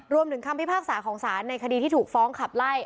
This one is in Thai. คำพิพากษาของศาลในคดีที่ถูกฟ้องขับไล่